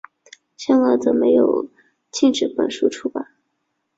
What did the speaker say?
香港则并没有禁止本书出版。